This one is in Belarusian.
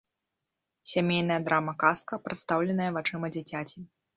Сямейная драма-казка, прадстаўленая вачыма дзіцяці.